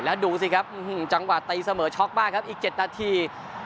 แล้วดูสิครับจังหวะตีเสมอช็อกมากครับอีก๗นาที